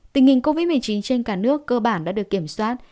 tình hình covid một mươi chín trên cả nước cơ bản đã được kiểm soát